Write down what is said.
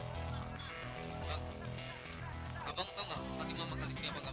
kakak tau gak fatima mahkalisnya apa gak